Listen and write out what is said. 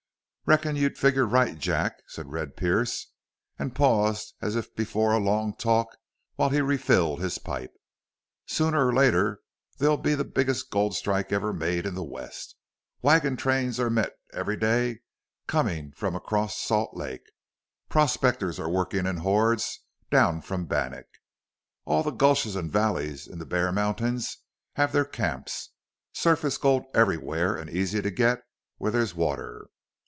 "Reckon you figgered right, Jack," said Red Pearce, and paused as if before a long talk, while he refilled his pipe. "Sooner or later there'll be the biggest gold strike ever made in the West. Wagon trains are met every day comin' across from Salt Lake. Prospectors are workin' in hordes down from Bannack. All the gulches an' valleys in the Bear Mountains have their camps. Surface gold everywhere an' easy to get where there's water.